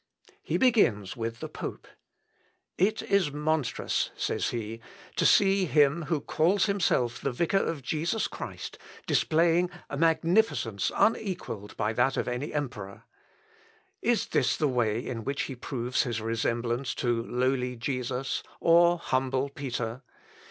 He begins with the pope. "It is monstrous," says he, "to see him who calls himself the vicar of Jesus Christ displaying a magnificence, unequalled by that of any emperor. Is this the way in which he proves his resemblance to lowly Jesus, or humble Peter?